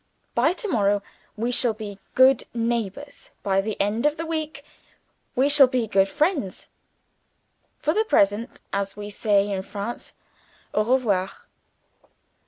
By to morrow we shall be good neighbors; by the end of the week we shall be good friends. For the present, as we say in France, _au revoir!